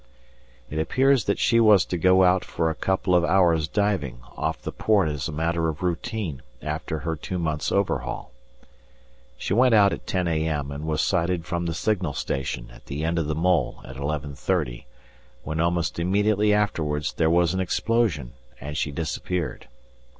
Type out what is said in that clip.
It appears that she was to go out for a couple of hours' diving off the port as a matter of routine after her two months' overhaul. She went out at 10 a.m., and was sighted from the signal station at the end of the mole at 11.30, when almost immediately afterwards there was an explosion and she disappeared.